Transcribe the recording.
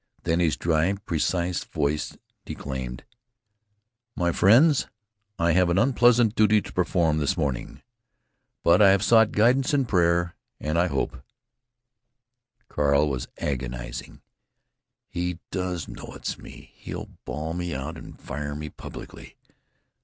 Then his dry, precise voice declaimed: "My friends, I have an unpleasant duty to perform this morning, but I have sought guidance in prayer, and I hope——" Carl was agonizing: "He does know it's me! He'll ball me out and fire me publicly!...